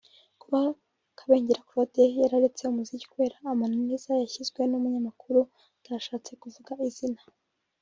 Kuba Kabengera Claude yararetse umuziki kubera amananiza yashyizwe n’ umunyamakuru atashatse kuvuga izina